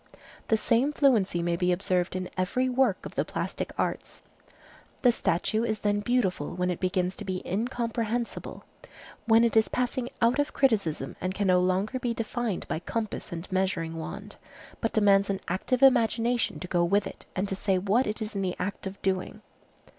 The same fluency may be observed in every work of the plastic arts. The statue is then beautiful when it begins to be incomprehensible, when it is passing out of criticism and can no longer be defined by compass and measuring wand, but demands an active imagination to go with it and to say what it is in the act of doing.